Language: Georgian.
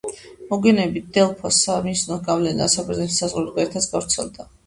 მოგვიანებით დელფოს სამისნოს გავლენა საბერძნეთის საზღვრებს გარეთაც გავრცელდა.